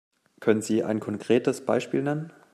Können Sie ein konkretes Beispiel nennen?